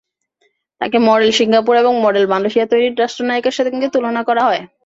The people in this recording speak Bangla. তাঁকে মডেল সিঙ্গাপুর এবং মডেল মালয়েশিয়া তৈরির রাষ্ট্রনায়কের সঙ্গে তুলনা করা হয়।